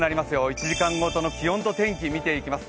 １時間ごとの気温と天気、見ていきます。